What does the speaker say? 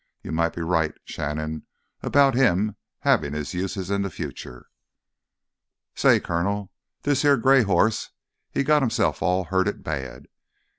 You may be right, Shannon, about him having his uses in the future." "Say, Colonel, this here gray hoss, he's got hisself all hurted bad.